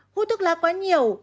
húi thuốc lá quá nhiều